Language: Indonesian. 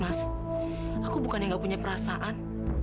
mas aku bukan yang gak punya perasaan